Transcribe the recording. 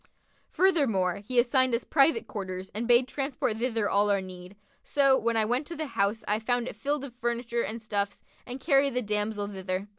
Furthermore, he assigned us private quarters and bade transport thither all our need; so, when I went to the house I found it filled full of furniture and stuffs and carried the damsel thither.